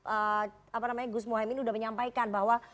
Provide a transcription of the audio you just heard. apa namanya gus mohaimin sudah menyampaikan bahwa